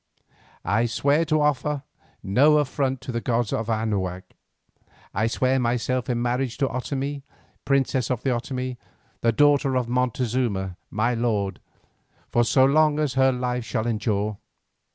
I swear to offer no affront to the gods of Anahuac. I swear myself in marriage to Otomie, princess of the Otomie, the daughter of Montezuma my lord, for so long as her life shall endure.